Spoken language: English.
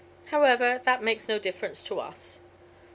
However, that makes no difference to us."